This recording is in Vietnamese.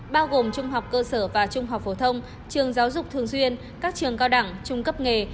bao gồm trung học cơ sở và trung học phổ thông trường giáo dục thường xuyên các trường cao đẳng trung cấp nghề